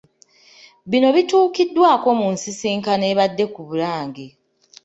Bino bituukiddwako mu nsisinkano ebadde ku Bulange.